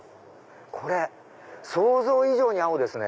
これ想像以上に青ですね！